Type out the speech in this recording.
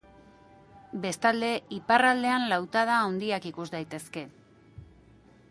Bestalde, iparraldean lautada handiak ikus daitezke.